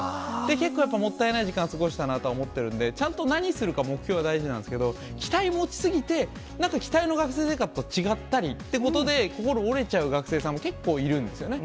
結構やっぱりもったいない時間を過ごしたなとは思ってるんで、ちゃんと何するか目標が大事なんですけど、期待を持ち過ぎて、なんか期待の学生生活と違ったりっていうことで、心折れちゃう学生さんも結構いるんですよね。